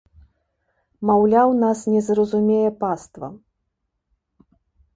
Маўляў, нас не зразумее паства.